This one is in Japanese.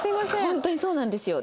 本当にそうなんですよ。